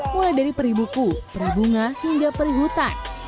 mulai dari peri buku peri bunga hingga peri hutan